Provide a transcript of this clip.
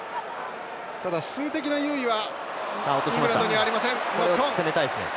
数的な優位はイングランドにありません。